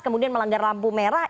kemudian melanggar lampu merah